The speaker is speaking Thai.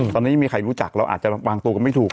ตอนนี้ไม่มีใครรู้จักเราอาจจะวางตัวกันไม่ถูก